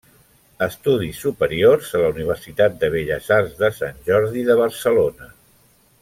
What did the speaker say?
Estudis superiors a la Universitat de Belles Arts de Sant Jordi de Barcelona.